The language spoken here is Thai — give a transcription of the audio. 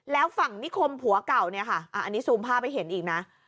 แล้วฝั่งนิคมผัวเก่าเนี่ยค่ะอันนี้ซูมภาพให้เห็นอีกนะ